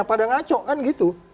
padang acok kan gitu